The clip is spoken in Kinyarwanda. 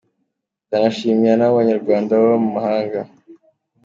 Ndanashimira n’abo Banyarwanda baba mu mahanga.